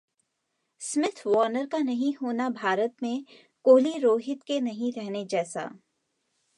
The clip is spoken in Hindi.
'स्मिथ-वॉर्नर का नहीं होना भारत में कोहली-रोहित के नहीं रहने जैसा'